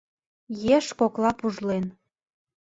Еш кокла пужлен.